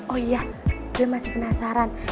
oh iya dia masih penasaran